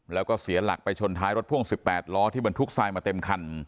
แล้วก็เสียหลักไปชนท้ายรถพ่วง๑๘ล้อที่บรรทุกทรายมาเต็มคัน